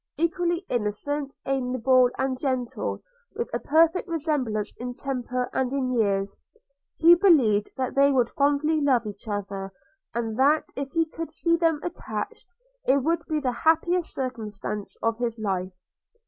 Equally innocent, amiable, and gentle, with a perfect resemblance in temper and in years, he believed that they would fondly love each other; and that if he could see them attached, it would be the happiest circumstance of his life.